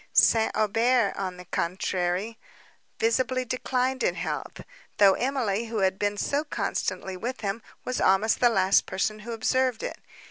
St. Aubert, on the contrary, visibly declined in health; though Emily, who had been so constantly with him, was almost the last person who observed it.